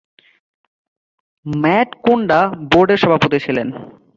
Mat কোনডা বোর্ডের সভাপতি ছিলেন।